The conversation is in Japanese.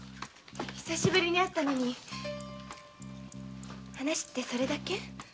久しぶりに会ったのに話ってそれだけ？